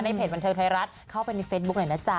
เพจบันเทิงไทยรัฐเข้าไปในเฟซบุ๊คหน่อยนะจ๊